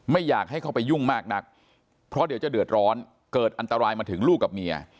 ไม่อยากให้เข้าไปยุ่งมากนักเพราะเดี๋ยวจะเดือดร้อนเกิดอันตรายมาถึงลูกกับเมีย